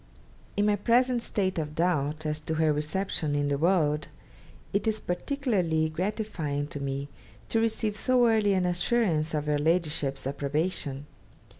In my present state of doubt as to her reception in the world, it is particularly gratifying to me to receive so early an assurance of your Ladyship's approbation.